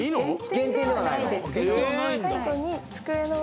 減点ではないの？